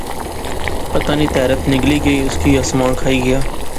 پتہ نی تہرت نگلی گئی اس کی اسمان کھائی گیا